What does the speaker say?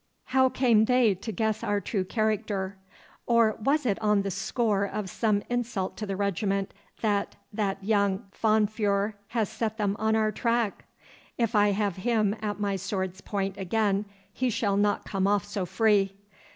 how came they to guess our true character; or was it on the score of some insult to the regiment that that young Fahnfuhrer has set them on our track? If I have him at my sword's point again, he shall not come off so free.